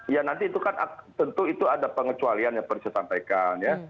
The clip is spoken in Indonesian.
ya nanti itu kan tentu itu ada pengecualian yang perlu saya sampaikan ya